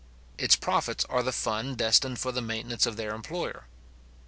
Its profits are the fund destined for the maintenance of their employer.